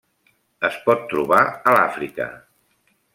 Es pot trobar a l'Àfrica.